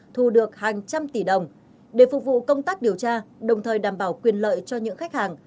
thu được hàng trăm tỷ đồng để phục vụ công tác điều tra đồng thời đảm bảo quyền lợi cho những khách hàng